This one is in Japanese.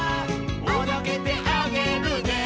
「おどけてあげるね」